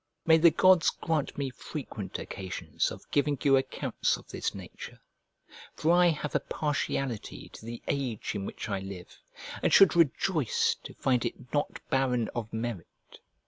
May the gods grant me frequent occasions of giving you accounts of this nature! for I have a partiality to the age in which I live, and should rejoice to find it not barren of merit.